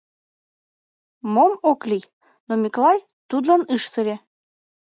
— Мом ок лий? — но Миклай тудлан ыш сыре.